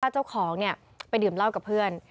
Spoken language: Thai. ถ้าเจ้าของเนี่ยไปดื่มเล่ากับเพื่อน